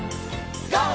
ＧＯ！